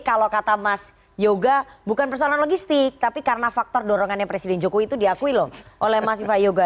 kalau kata mas yoga bukan persoalan logistik tapi karena faktor dorongannya presiden jokowi itu diakui loh oleh mas viva yoga